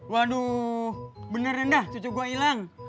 waduh bener ya indah cucu gua ilang